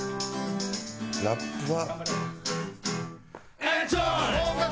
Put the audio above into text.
ラップは。